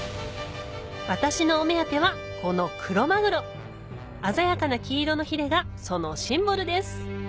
私のお目当てはこのクロマグロ鮮やかな黄色のヒレがそのシンボルです